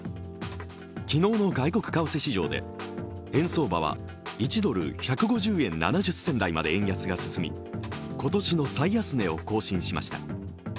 昨日の外国為替市場で円相場は１ドル＝１５０円７０銭台まで円安が進み今年の最安値を更新しました。